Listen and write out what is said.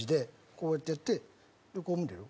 こうやってやってこう見るやろ？